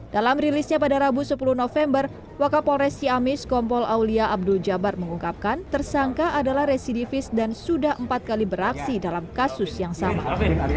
dalam rilisnya pada rabu sepuluh november wakapolres ciamis kompol aulia abdul jabar mengungkapkan tersangka adalah residivis dan sudah empat kali beraksi dalam kasus yang sama